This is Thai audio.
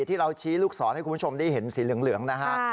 ที่เราชี้ลูกศรให้คุณผู้ชมได้เห็นสีเหลืองนะฮะ